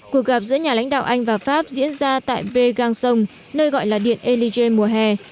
cuộc gặp giữa nhà lãnh đạo anh và pháp diễn ra tại bé gang sông nơi gọi là điện elige mùa hè